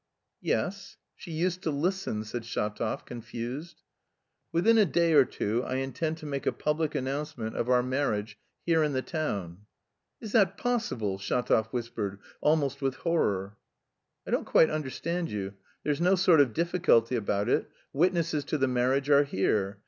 "Yes... she used to listen..." said Shatov, confused. "Within a day or two I intend to make a public announcement of our marriage here in the town." "Is that possible?" Shatov whispered, almost with horror. "I don't quite understand you. There's no sort of difficulty about it, witnesses to the marriage are here.